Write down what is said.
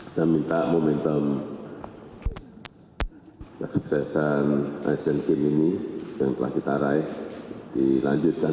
saya minta momentum kesuksesan asian games ini yang telah kita raih dilanjutkan